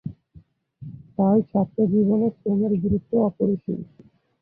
তাই ছাত্রজীবনে শ্রমের গুরুত্ব অপরিসীম।